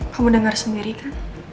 kamu denger sendiri kan